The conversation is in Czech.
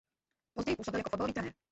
Později působil jako fotbalový trenér.